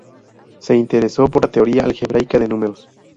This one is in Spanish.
Se interesó por la teoría algebraica de números.